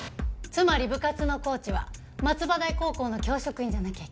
つまり部活のコーチは松葉台高校の教職員じゃなきゃいけないの。